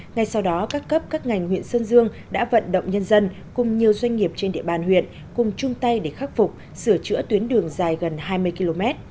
ngay sau đó các cấp các ngành huyện sơn dương đã vận động nhân dân cùng nhiều doanh nghiệp trên địa bàn huyện cùng chung tay để khắc phục sửa chữa tuyến đường dài gần hai mươi km